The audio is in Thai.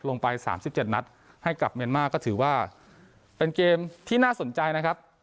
ลงไป๓๗นัดให้กับเมียนมาร์ก็ถือว่าเป็นเกมที่น่าสนใจนะครับ